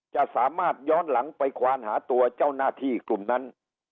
จะสามารถย้อนหลังไปควานหาตัวเจ้าหน้าที่กลุ่มนั้น